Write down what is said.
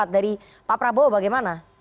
dari pak prabowo bagaimana